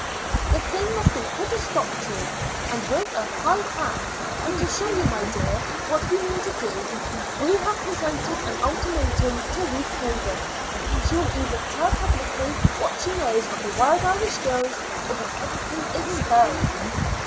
The thing must be put a stop to, and with a high hand; and to show you, my dear, what we mean to do, we have presented an ultimatum to Ruth Craven. She will either tell publicly what she knows of the Wild Irish Girls or be publicly expelled."